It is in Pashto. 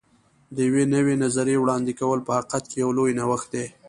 د یوې نوې نظریې وړاندې کول په حقیقت کې یو لوی نوښت دی.